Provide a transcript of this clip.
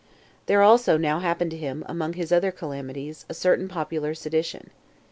2. There also now happened to him, among his other calamities, a certain popular sedition.